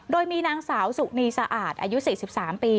โดยมีนางสาวสุนีสะอาดอายุ๔๓ปี